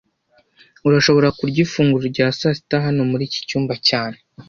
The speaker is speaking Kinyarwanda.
Urashobora kurya ifunguro rya sasita hano muri iki cyumba cyane